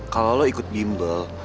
kalau lo ikut bimbel